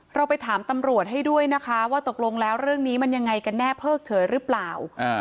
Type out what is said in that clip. เราไปถามตำรวจให้ด้วยนะคะว่าตกลงแล้วเรื่องนี้มันยังไงกันแน่เพิกเฉยหรือเปล่า